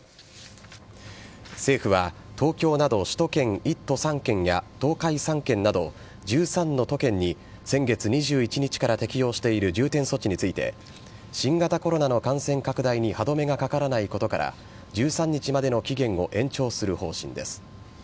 政府は東京など首都圏１都３県や東海３県など、１３の都県に先月２１日から適用している重点措置について、新型コロナの感染拡大に歯止めがかからないことから、１３日までの期限を延長する方針です。